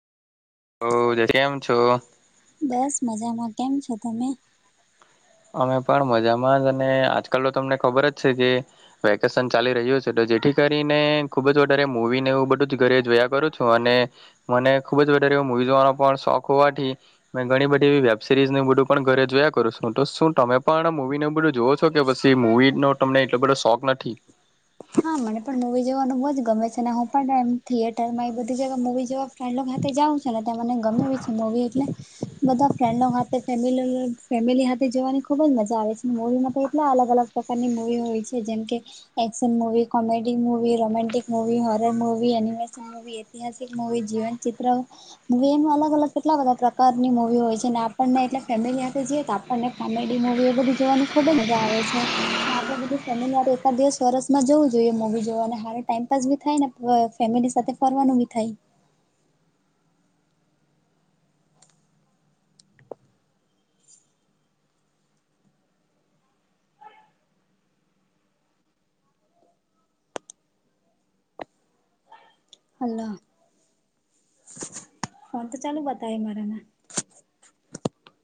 [unintelligible] કેમ છો? બસ મજામાં કેમ છો તમે? અમે પણ મજામાં જ અને આજકાલ તો તમને ખબર જ છે કે વેકેશન ચાલી રહ્યું છે તો જેથી કરીને ખૂબ વધારે મૂવી ને એવું બધું જ ઘરે જોયા કરું છું અને મને ખૂબ જ વધારે મૂવી જોવાનો પણ શોખ હોવાથી મેં ઘણી બધી એવી વેબ સિરીઝને એવું બધું પણ ઘરે જોયા કરું છું. હું તો શું તમે પણ મૂવી ન એવુ બધું જોવો છો કે પછી મૂવી નો તમને એટલો બધો શોખ નથી. હા મને પણ મૂવી જોવાનું બહુ જ ગમે છે અને હું પણ એમ થિયેટરમાં એ બધી જગા મૂવી જોવા ફ્રેન્ડ લોગ હાથે જાઉં છે ને તે મને ગમે છે મુવી એટલે બધા ફ્રેન્ડો હાથે ફેમિલી ફેમિલી હાથે જવાની ખુબ જ મજા આવે છે. મુવીમાં તો એટલા અલગ અલગ પ્રકારની મૂવી હોય છે જેમકે એક action movie comedy movie, romantic movie, horror movie animation હવે ઐતિહાસિક મુવી જીવન ચિત્ર મૂવીમાં અલગ અલગ કેટલા બધા પ્રકારની મુૂવી હોય છે ને આપણને એટલે ફેમિલી સાથે જઈએ તો આપ આપણને કોમેડી મુવી એ બધુ જોવાની ખુબ જ મજા આવે છે ને આપણે બધું ફેમિલી સાથે એકાદ દિવસ વરસ. માં જોવું જોઈએ મુવી જોવા અને હામેં ટાઈમપાસ ભી થાય ને ફ ફેમિલી સાથે ફરવાનું બી થાય. હલો ફોન તો ચાલુ બતાવે મારા માં.